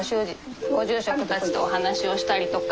ご住職たちとお話しをしたりとか。